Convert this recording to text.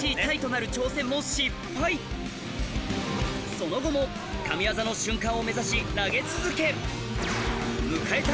その後も神業の瞬間を目指し投げ続けあ行った！